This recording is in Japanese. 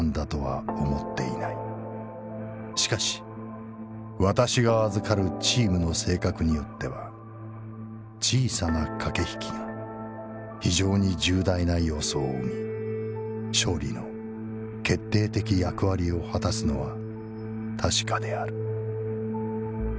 しかし私が預るチームの性格によっては小さな掛引きが非常に重大な要素を生み勝利の決定的役割を果すのは確かである」。